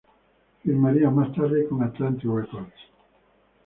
Firmaría más tarde con Atlantic Records.